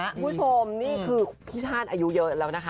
คุณผู้ชมนี่คือพี่ชาติอายุเยอะแล้วนะคะ